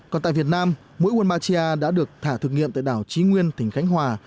còn tại việt nam mũi đã được thả thực nghiệm tại đảo trí nguyên tỉnh khánh hòa